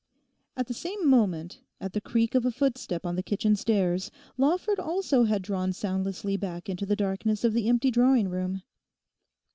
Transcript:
At the same moment, at the creak of a footstep on the kitchen stairs, Lawford also had drawn soundlessly back into the darkness of the empty drawing room.